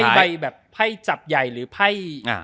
ให้จับใหญ่หรือให้